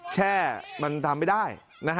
แค่มันทำไม่ได้